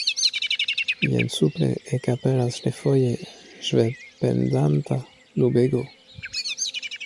Jen supre ekaperas refoje ŝvebpendanta nubego.